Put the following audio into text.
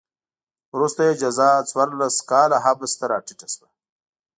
وروسته یې جزا څوارلس کاله حبس ته راټیټه شوه.